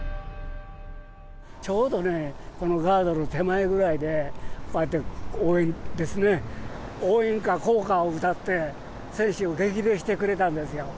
ちょうどね、このガードの手前ぐらいで、こうやって応援ですね、応援歌、校歌を歌って、選手を激励してくれたんですよ。